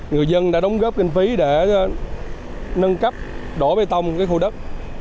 người dân đã đóng góp kinh phí để nâng cấp đổ bê tông khu đất